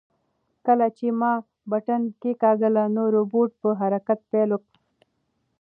کله چې ما بټن کېکاږله نو روبوټ په حرکت پیل وکړ.